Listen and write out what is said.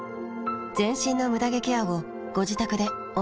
全身のムダ毛ケアをご自宅で思う存分。